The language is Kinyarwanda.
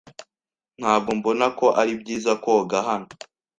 Ntabwo mbona ko ari byiza koga hano.